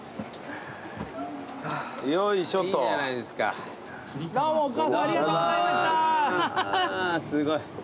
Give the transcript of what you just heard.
すごい。